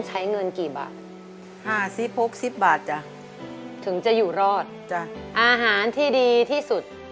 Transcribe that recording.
อาหารที่ดีที่สุด